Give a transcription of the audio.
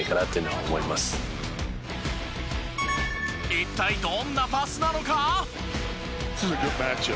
一体どんなパスなのか？